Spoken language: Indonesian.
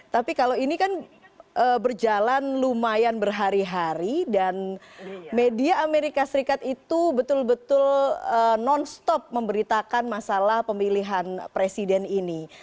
tapi kalau ini kan berjalan lumayan berhari hari dan media amerika serikat itu betul betul non stop memberitakan masalah pemilihan presiden ini